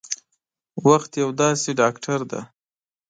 وخت یو داسې ډاکټر دی